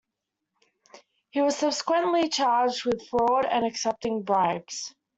He was subsequently charged with fraud and accepting bribes.